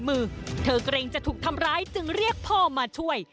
มีดมีดมีดมีด